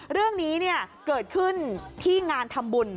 เรื่องนี้เกิดขึ้นที่งานทำบุญ